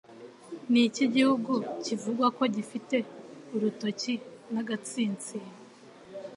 Niki gihugu kivugwa ko gifite urutoki & agatsinsino?